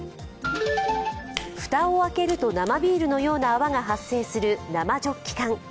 蓋を開けると生ビールのような泡が発生する生ジョッキ缶。